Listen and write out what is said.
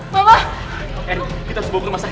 tahan calon beast jangan music